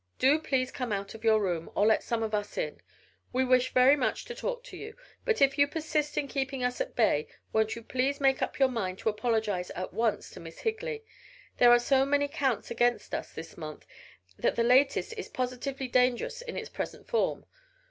Do please come out of your room or let some of us in. We wish very much to talk to you, but if you persist in keeping us at bay won't you please make up your mind to apologize at once to Miss Higley? There are so many counts against us this month that the latest is positively dangerous in its present form.